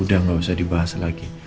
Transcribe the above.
udah gak usah dibahas lagi